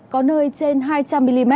có nơi trên hai trăm linh mm